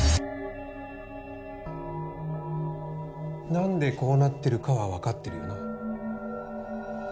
何でこうなってるかは分かってるよな？